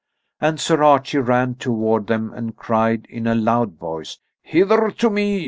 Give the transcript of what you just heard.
And Sir Archie ran toward them and cried in a loud voice: "Hither to me!